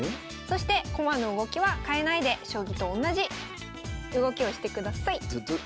そして駒の動きは変えないで将棋とおんなじ動きをしてください。